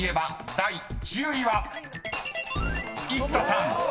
第１０位は］